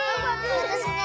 私ね